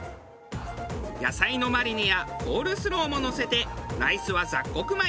野菜のマリネやコールスローものせてライスは雑穀米。